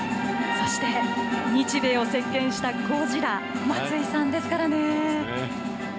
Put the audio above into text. そして日米を席けんしたゴジラ、松井さんですからね。